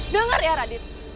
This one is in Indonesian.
dengar ya radit